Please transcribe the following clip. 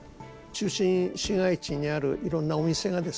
中心市街地にあるいろんなお店がですね